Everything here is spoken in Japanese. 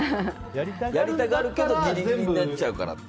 やりたがるけどギリギリになっちゃうから。